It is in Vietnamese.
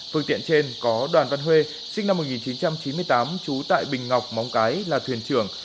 phương tiện trên có đoàn văn huê sinh năm một nghìn chín trăm chín mươi tám trú tại bình ngọc móng cái là thuyền trưởng